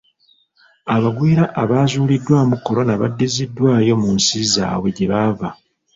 Abagwira abaazuuliddwamu kolona baddiziddwayo mu nsi zaabwe gye bava.